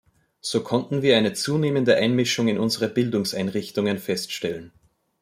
So konnten wir eine zunehmende Einmischung in unsere Bildungseinrichtungen feststellen.